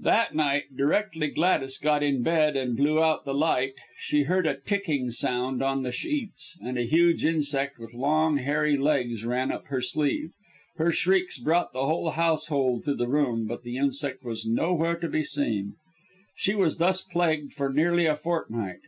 That night, directly Gladys got in bed and blew out the light, she heard a ticking sound on the sheets, and a huge insect with long hairy legs ran up her sleeve. Her shrieks brought the whole household to the room, but the insect was nowhere to be seen. She was thus plagued for nearly a fortnight.